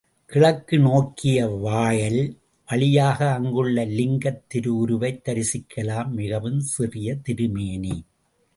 கிழக்கு நோக்கிய வாயில் வழியாக அங்குள்ள லிங்கத் திரு உருவைத் தரிசிக்கலாம், மிகவும் சிறிய திருமேனி.